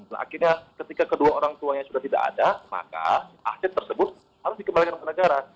nah akhirnya ketika kedua orang tuanya sudah tidak ada maka aset tersebut harus dikembalikan ke negara